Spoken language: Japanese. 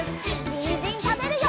にんじんたべるよ！